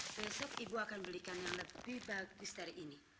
besok ibu akan belikan yang lebih bagus dari ini